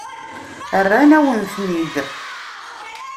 Rran-awen-ten-id.